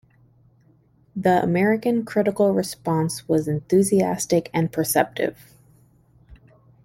The American critical response was enthusiastic and perceptive.